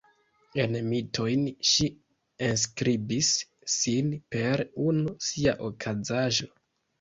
En mitojn ŝi enskribis sin per unu sia okazaĵo.